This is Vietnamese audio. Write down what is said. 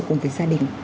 cùng với gia đình